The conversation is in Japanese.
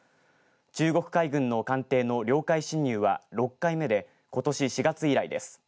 中国海軍の艦艇の領海侵入は６回目でことし４月以来です。